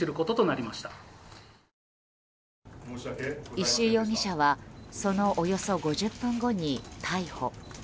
石井容疑者はそのおよそ５０分後に逮捕。